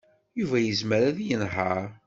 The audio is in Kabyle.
Yuba yezmer ad yenheṛ.